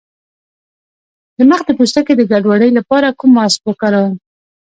د مخ د پوستکي د ګډوډۍ لپاره کوم ماسک وکاروم؟